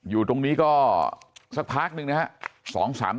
อยู่ตรงนี้ก็สักพักนึงนะฮะ